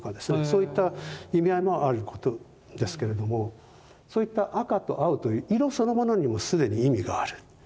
そういった意味合いもあることですけれどもそういった赤と青という色そのものにも既に意味がある。